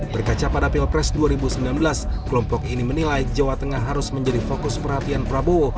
berkaca pada pilpres dua ribu sembilan belas kelompok ini menilai jawa tengah harus menjadi fokus perhatian prabowo